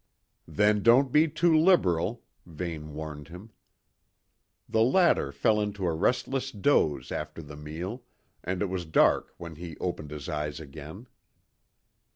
"Then don't be too liberal," Vane warned him. The latter fell into a restless doze after the meal, and it was dark when he opened his eyes again.